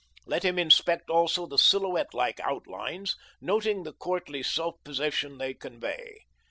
Let him inspect also the silhouette like outlines, noting the courtly self possession they convey.